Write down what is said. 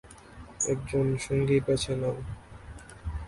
একজন সঙ্গী বেছে নাও।